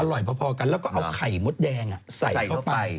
อร่อยพอกันแล้วก็เอาไข่มดแดงใส่เข้าไป